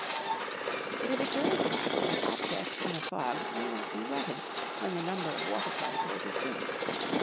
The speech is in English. It is a curious fact that objects in a fog may not be wetted, when the number of water particles is great.